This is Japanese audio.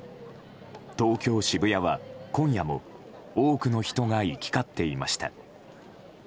東京・渋谷は今夜も多くの人が行き交っていました。